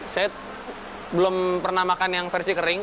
saya belum pernah makan yang versi kering